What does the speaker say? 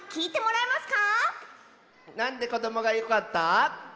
なんでこどもがよかった？